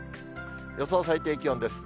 予想最低気温です。